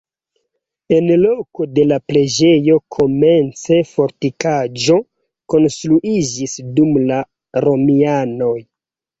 En loko de la preĝejo komence fortikaĵo konstruiĝis dum la romianoj.